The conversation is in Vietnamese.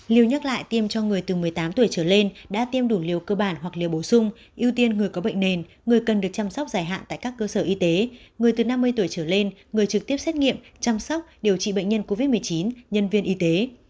lưu nhắc lại tiêm cho người từ một mươi tám tuổi trở lên đã tiêm đủ liều cơ bản hoặc liều bổ sung ưu tiên người có bệnh nền người cần được chăm sóc dài hạn tại các cơ sở y tế người từ năm mươi tuổi trở lên người trực tiếp xét nghiệm chăm sóc điều trị bệnh nhân covid một mươi chín nhân viên y tế